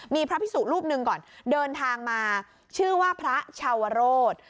มีพระพิสุรูปหนึ่งก่อนเดินทางมาชื่อว่าพระชาวโรธ